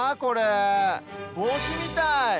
ぼうしみたい。